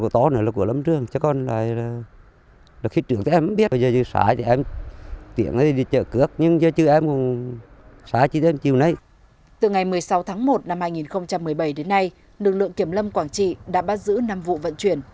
từ ngày một mươi sáu tháng một năm hai nghìn một mươi bảy đến nay lực lượng kiểm lâm quảng trị đã bắt giữ năm vụ vận chuyển